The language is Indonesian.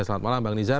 selamat malam bang nizar